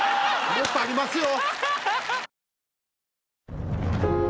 もっとありますよ。